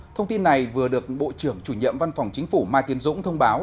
thông tin này vừa được bộ trưởng chủ nhiệm văn phòng chính phủ mai tiến dũng thông báo